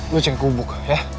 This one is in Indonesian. lo cek ke gubuk ya